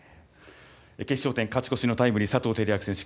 決勝点、勝ち越しのタイムリー佐藤輝明選手